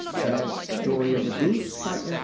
CHAD'S STORY OF THE GOOSE BY F.